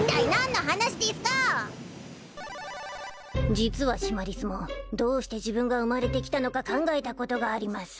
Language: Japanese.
実はシマリスもどうして自分が生まれてきたのか考えたことがあります。